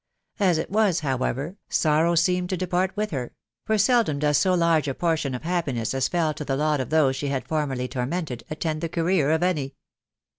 As it was, how ever, sorrow seemed to depart with her ; for seldom does so large a portion of happiness as fell to the lot of those she had formerly tormented attend the career of any.